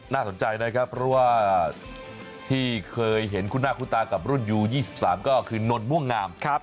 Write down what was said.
น่าสนใจนะครับเพราะว่าที่เคยเห็นคุณหน้าคุณตากับรุ่นยู๒๓ก็คือนนม่วงงาม